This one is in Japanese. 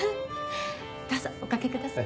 どうぞおかけください。